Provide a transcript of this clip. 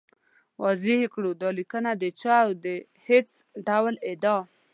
واضح کړو، دا لیکنه د هېچا او هېڅ ډول ادعا